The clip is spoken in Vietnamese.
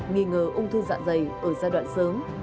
nghi ngờ ung thư dạ dày ở giai đoạn sớm